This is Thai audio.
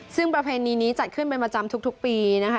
ซึ่งประเพณีนี้จัดขึ้นเป็นประจำทุกปีนะคะ